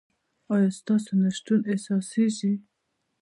ایا ستاسو نشتون احساسیږي؟